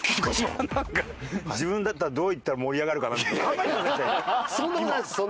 自分だったらどういったら盛り上がるかなとか考えてたでしょ？